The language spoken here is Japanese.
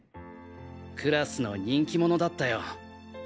クラスの人気者だったよ。